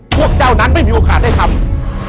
พวกเจ้านั้นไม่มีโอกาสได้ทำ